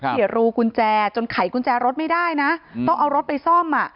รูกุญแจจนไขกุญแจรถไม่ได้นะต้องเอารถไปซ่อมอ่ะ